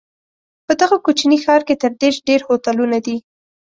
په دغه کوچني ښار کې تر دېرش ډېر هوټلونه دي.